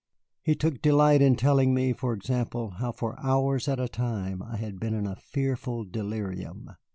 He took delight in telling me, for example, how for hours at a time I had been in a fearful delirium.